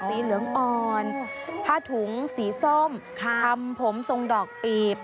สีเหลืองอ่อนผ้าถุงสีส้มทำผมทรงดอกปีบ